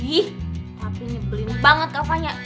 ih tapi nyebelin banget kafanya